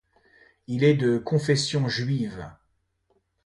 Il est de confession juive.